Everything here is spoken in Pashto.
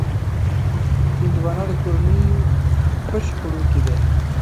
هندوانه د کورنیو خوښې خوړو کې ده.